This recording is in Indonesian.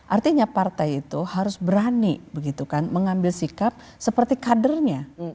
artinya partai itu harus berani mengambil sikap seperti kadernya